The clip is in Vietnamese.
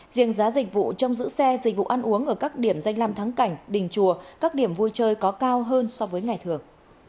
riêng giá dịch vụ trong giữ xe dịch vụ ăn uống ở các điểm danh làm thắng cảnh đình chùa các điểm vui chơi có cao hơn so với ngày thường